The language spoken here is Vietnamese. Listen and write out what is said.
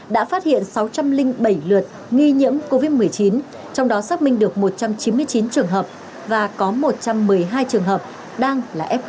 đã phát hiện sáu trăm linh bảy lượt nghi nhiễm covid một mươi chín trong đó xác minh được một trăm chín mươi chín trường hợp và có một trăm một mươi hai trường hợp đang là f một